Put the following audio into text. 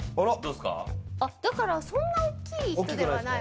そんな大きい人ではない。